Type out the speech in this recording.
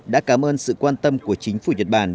đã cảm ơn sự quan tâm của chính phủ nhật bản